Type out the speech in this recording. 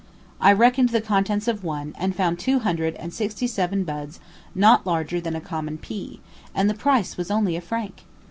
I reckoned the contents of one, and found two hundred and sixty seven buds not larger than a common pea, and the price was only a franc.